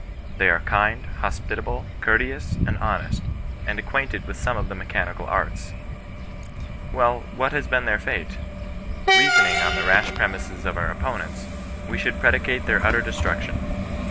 They are kind, hospitable, courteous, and honest, and ac quainted with some of the mechanical arts. WeU, what has been their fate ? Reasoning on the rash premises of our opponents, we should predicate their utter destruc tion.